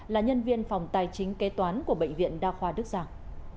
là nhân viên phòng tài chính kế toán của bệnh viện đa khoa đức giảng